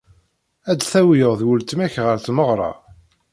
Ad d-tawyed weltma-k ɣer tmeɣra.